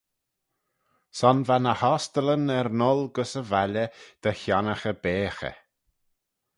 Son va ny ostyllyn er n'gholl gys y valley dy chionnaghey beaghey.